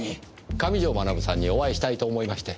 上条学さんにお会いしたいと思いまして。